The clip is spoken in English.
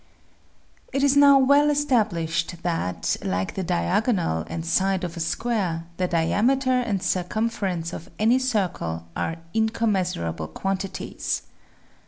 It is now well established that, like the diagonal and side of a square, the diameter and circumference of any circle are incommensurable quantities.